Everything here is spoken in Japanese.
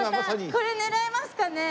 これ狙えますかね？